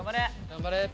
頑張れ。